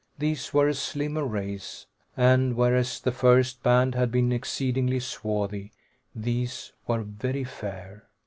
These were a slimmer race, and whereas the first band had been exceedingly swarthy, these were very fair.